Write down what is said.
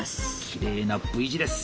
きれいなＶ字です。